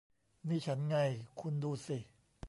นี่ฉันไง คุณดูสิ